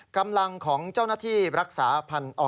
กำลังของเจ้าหน้าที่รักษาพันธุ์